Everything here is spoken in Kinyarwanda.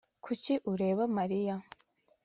Kuki ureba Mariya